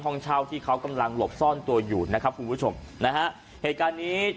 ห้องเช่าที่เขากำลังหลบซ่อนตัวอยู่นะครับคุณผู้ชมนะฮะเหตุการณ์นี้